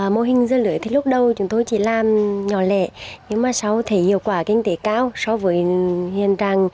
mô hình dưa lưới thì lúc đầu chúng tôi chỉ làm nhỏ lẻ nhưng mà sau thấy hiệu quả kinh tế cao so với hiện trạng